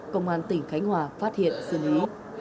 công an tỉnh khánh hòa phát hiện xử lý